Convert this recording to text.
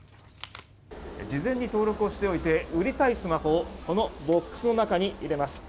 事前に登録をしておいて売りたいスマホをこのボックスの中に入れます。